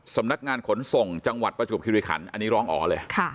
สำนักงานขนส่งจังหวัดประจวบคิริขันอันนี้ร้องอ๋อเลย